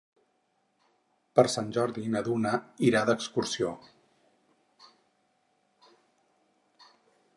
Per Sant Jordi na Duna irà d'excursió.